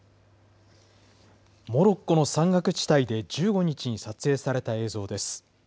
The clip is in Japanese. モロッコの山岳地帯で１５日に撮影された映像です。